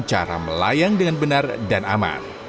cara melayang dengan benar dan aman